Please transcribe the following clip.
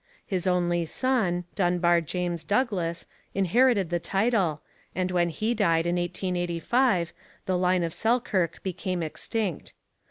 His only son, Dunbar James Douglas, inherited the title, and when he died in 1885 the line of Selkirk became extinct.